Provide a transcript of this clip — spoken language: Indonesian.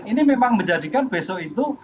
ini memang menjadikan besok itu